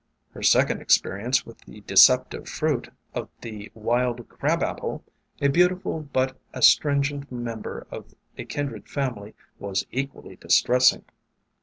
Her second experience with the deceptive fruit of the Wild Crab Apple, a beautiful but astringent member of a kindred family, was equally distressing.